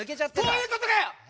そういうことかよ！